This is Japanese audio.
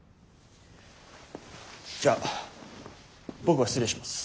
じゃあ僕は失礼します。